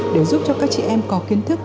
để giúp cho các chị em có kiến thức